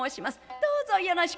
どうぞよろしく」。